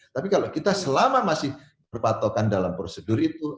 tapi kalau kita selama masih berpatokan dalam prosedur itu